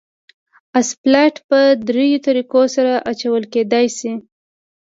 اسفالټ په دریو طریقو سره اچول کېدای شي